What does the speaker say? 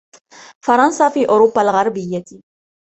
فرنسا في أوروبا الغربية.